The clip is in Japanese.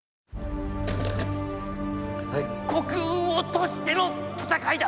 国運を賭しての戦いだ！